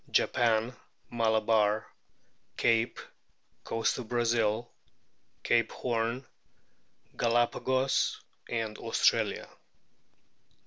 Japan, Malabar, Cape, Coast of Brazil, Cape Horn, Galapagos, Australia.